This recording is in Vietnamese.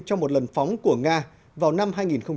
trong một lần phóng của nga vào năm hai nghìn một mươi năm